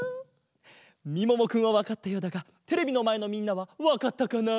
みももくんはわかったようだがテレビのまえのみんなはわかったかな？